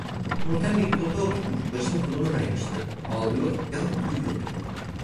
Nurten bir koltuğa oturmuş, başını koluna dayamıştı; ağlıyor, yahut uyuyordu.